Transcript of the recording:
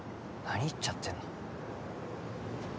何言っちゃってんの？